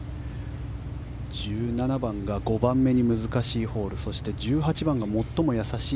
１７番が５番目に難しいホールそして１８番が最も易しい